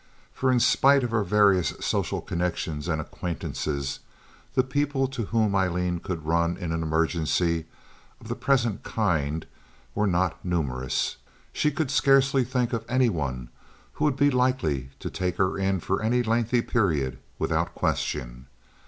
For in spite of her various social connections and acquaintances, the people to whom Aileen could run in an emergency of the present kind were not numerous. She could scarcely think of any one who would be likely to take her in for any lengthy period, without question.